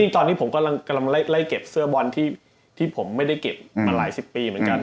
ตอนนี้ผมกำลังไล่เก็บเสื้อบอลที่ผมไม่ได้เก็บมาหลายสิบปีเหมือนกัน